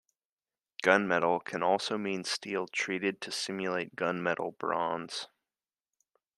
Gunmetal can also mean steel treated to simulate gunmetal bronze.